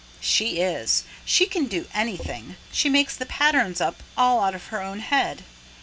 "She is; she can do anything. She makes the patterns up all out of her own head.